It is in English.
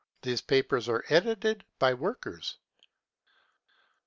These papers are edited by workers.